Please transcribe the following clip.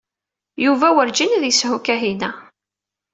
Yuba werǧin ad yeshu Kahina.